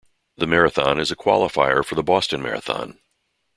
The Marathon is a qualifier for the Boston Maraton.